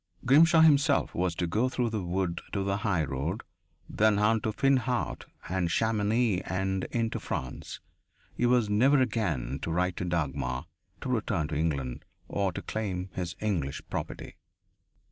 Grimshaw himself was to go through the wood to the highroad, then on to Finhaut and Chamonix and into France. He was never again to write to Dagmar, to return to England, or to claim his English property....